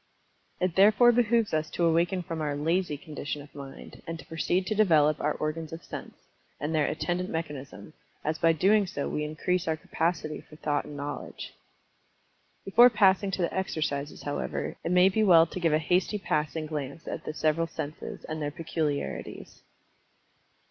It therefore behooves us to awaken from our "lazy" condition of mind, and to proceed to develop our organs of sense, and their attendant mechanism, as by doing so we increase our capacity for thought and knowledge. Before passing to the exercises, however, it may be well to give a hasty passing glance at the several senses, and their peculiarities.